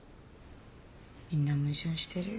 みんな矛盾してるよ